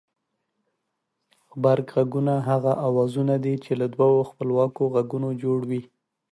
غبرگ غږونه هغه اوازونه دي چې له دوو خپلواکو غږونو جوړ وي